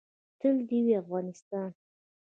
تل دې وي افغانستان